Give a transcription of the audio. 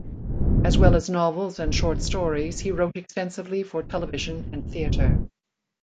As well as novels and short stories, he wrote extensively for television and theatre.